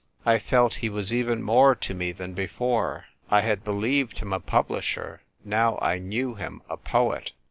I felt he was even more to me than before. I had believed him a pub lisher; now I knew him a poet.